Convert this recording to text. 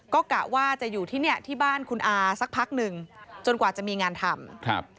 ก็กะว่าจะอยู่ที่บ้านคุณอาสักพักนิ่งจนจะมีงานทำ